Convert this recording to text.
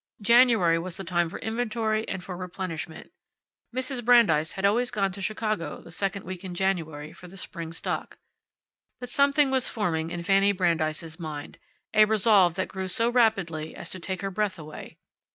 January was the time for inventory and for replenishment. Mrs. Brandeis had always gone to Chicago the second week in January for the spring stock. But something was forming in Fanny Brandeis's mind a resolve that grew so rapidly as to take her breath away.